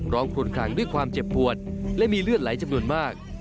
คลุนคลังด้วยความเจ็บปวดและมีเลือดไหลจำนวนมาก